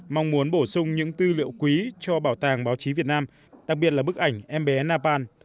mong muốn bổ sung những tư liệu quý cho bảo tàng báo chí việt nam đặc biệt là bức ảnh em bé napan